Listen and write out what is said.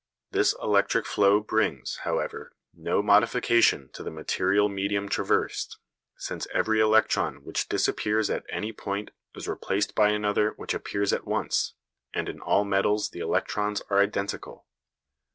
This electric flow brings, however, no modification to the material medium traversed, since every electron which disappears at any point is replaced by another which appears at once, and in all metals the electrons are identical.